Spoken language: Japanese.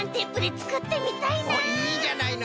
おっいいじゃないの。